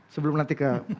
sebelum nanti ke